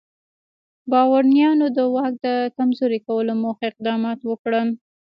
بارونیانو د واک د کمزوري کولو موخه اقدامات وکړل.